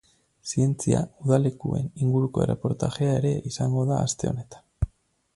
Zientzia udalekuen inguruko erreportajea ere izango da aste honetan.